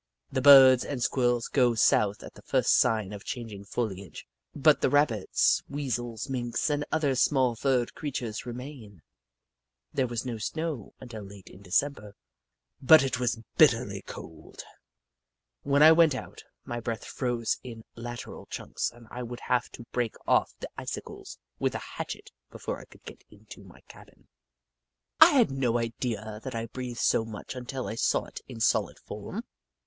The Birds and Squirrels go south at the first sign of changing foliage, but the Rabbits, Weasels, Minks, and other small furred creatures remain, There was no snow until late in December, but it was bitterly cold. When I went out, my breath froze in lateral chunks and I would have to break off the icicles with a hatchet before I could get into my cabin. I had no idea that I breathed so much until I saw it in solid form.